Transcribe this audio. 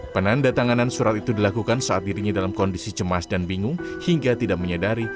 penanda tanganan surat itu dilakukan saat dirinya dalam kondisi cemas dan bingung hingga tidak menyadari